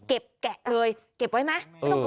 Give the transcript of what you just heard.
แกะเลยเก็บไว้ไหม